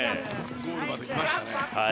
ゴールまで来ましたね。